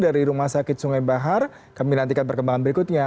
dari rumah sakit sungai bahar kami nantikan perkembangan berikutnya